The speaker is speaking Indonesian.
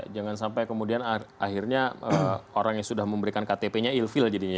jangan sampai kemudian akhirnya orang yang sudah memberikan ktpnya ilfil jadinya ya